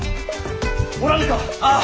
おらぬか！？ああ！